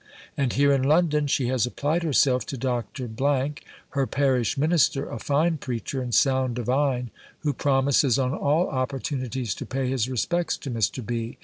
And here in London she has applied herself to Dr. (her parish minister, a fine preacher, and sound divine, who promises on all opportunities to pay his respects to Mr. B.)